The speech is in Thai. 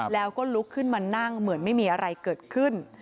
แล้วก็ลุกขึ้นมานั่งเหมือนไม่มีอะไรเกิดขึ้น